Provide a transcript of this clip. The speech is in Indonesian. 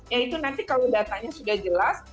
ya itu nanti kalau datanya sudah jelas